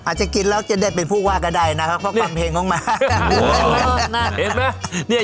อาจจะกินแล้วจะได้เป็นผู้ว่าก็ได้นะครับเพราะฟังเพลงของม้าเห็นไหม